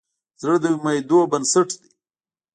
زړه د امیدونو بنسټ دی.